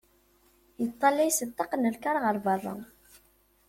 Yeṭṭalay seg ṭṭaq n lkar ɣer berra.